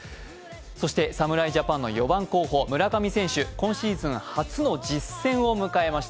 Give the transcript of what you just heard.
そして侍ジャパンの４番候補村上選手、今シーズン初の実戦を迎えました。